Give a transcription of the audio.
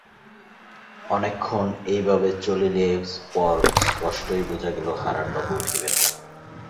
অনেকক্ষণ এইভাবে চলিলে পর স্পষ্টই বুঝা গেল হারানবাবু উঠিবেন না।